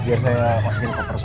biar saya masukin ke kamar mobil